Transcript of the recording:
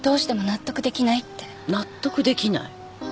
納得できない？